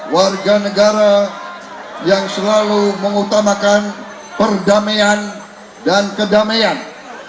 warga negara yang selalu mengutamakan perdamaian dan kedamaian